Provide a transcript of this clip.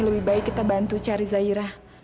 lebih baik kita bantu cari zairah